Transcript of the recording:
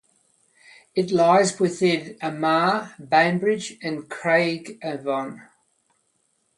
It lies within Armagh, Banbridge and Craigavon.